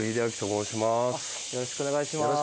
よろしくお願いします。